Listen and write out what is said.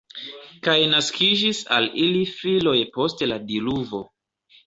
Kaj naskiĝis al ili filoj post la diluvo.